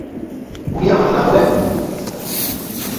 উনি আমাকে না বলে আমেরিকায় চলে গেছেন নাকি?